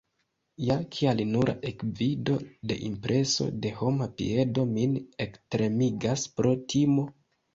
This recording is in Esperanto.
Ja, kial nura ekvido de impreso de homa piedo min ektremigas pro timo?